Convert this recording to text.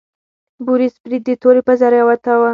بوریس برید د تورې په ذریعه وتاوه.